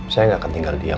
saya gak akan tinggal diam